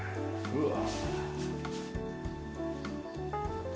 うわ。